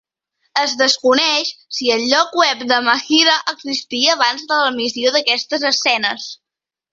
Es desconeix si el lloc web de Mahirha existia abans de l'emissió d'aquestes escenes.